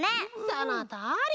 そのとおり！